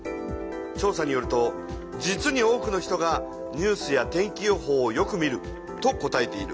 調さによると実に多くの人がニュースや天気予報をよく見ると答えている。